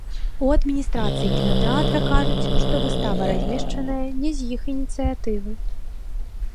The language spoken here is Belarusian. У адміністрацыі кінатэатра кажуць, што выстава размешчаная не з іх ініцыятывы.